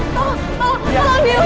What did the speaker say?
tolong hicernya bu